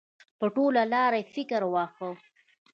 په ټوله لار یې فکر واهه.